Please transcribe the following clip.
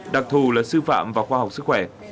đặc thù là sư phạm và khoa học sức khỏe